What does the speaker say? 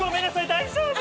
大丈夫？